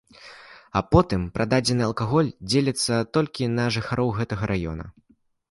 А потым прададзены алкаголь дзеліцца толькі на жыхароў гэтага раёна.